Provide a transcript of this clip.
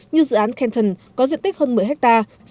như dự án canton có diện tích hơn một mươi hectare